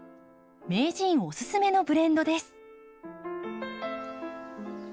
名人おすすめのブレンドです。